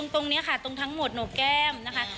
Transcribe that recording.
ตรงนี้ค่ะตรงทั้งหมดหนกแก้มนะคะ